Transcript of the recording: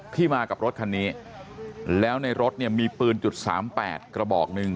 ที่มากับรถคันนี้แล้วในรถเนี่ยมีปืนจุดสามแปดกระบอกหนึ่ง